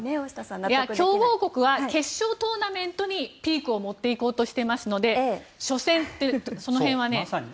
強豪国は決勝トーナメントにピークを持っていこうとしていますので初戦とかその辺はね。